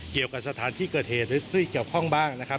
เกี่ยวกับสถานที่เกิดเหตุหรือของบ้างนะครับ